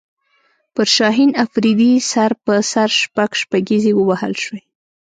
پر شاهین افریدي سر په سر شپږ شپږیزې ووهل شوې